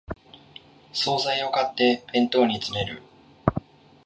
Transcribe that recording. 総菜を買って弁当に詰める